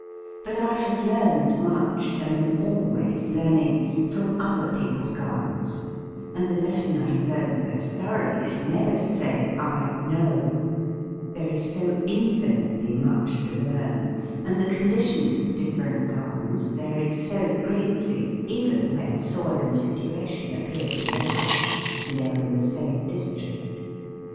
But I have learned much, and am always learning, from other people's gardens, and the lesson I have learned most thoroughly is, never to say "I know" there is so infinitely much to learn, and the conditions of different gardens vary so greatly, even when soil and situation appear to be alike and they are in the same district.